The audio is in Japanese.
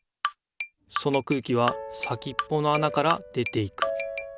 その空気は先っぽのあなから出ていく。